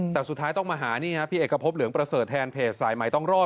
แต่สุดท้ายต้องมาหานี่ฮะพี่เอกพบเหลืองประเสริฐแทนเพจสายใหม่ต้องรอด